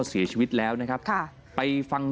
เสียชีวิตแล้วนะครับค่ะไปฟัง